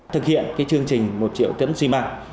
thực hiện cái chương trình một triệu tiễm xi mạng